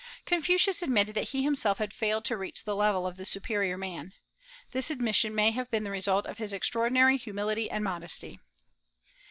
Confucius admitted that he himself had failed to reach the level of the superior man. This admission may have been the result of his extraordinary humility and modesty.